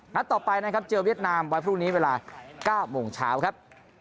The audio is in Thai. นัดต่อไปนะครับเจอเวียดนามวันพรุ่งนี้เวลา๙โมงเช้าครับ